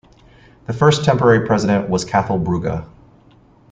The first, temporary president was Cathal Brugha.